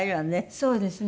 そうですね。